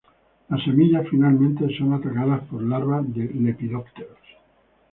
Las semillas, finalmente, son atacadas por larvas de lepidópteros.